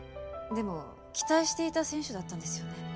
でも期待していた選手だったんですよね？